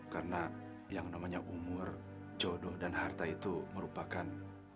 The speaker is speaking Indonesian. karena yang namanya umur jodoh dan harta itu merupakan